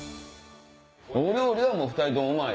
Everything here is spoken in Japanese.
料理は２人ともうまい。